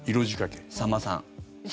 さんまさん？